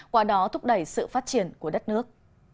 qua đó thúc đẩy sự phát triển của đất nước